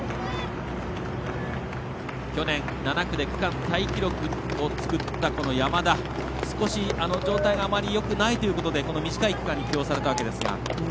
去年７区で区間タイ記録を作った山田、少し状態があまりよくないということで短い区間に起用されましたが。